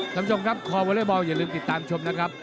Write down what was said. ท่านผู้ชมครับคอวอเล็กบอลอย่าลืมติดตามชมนะครับ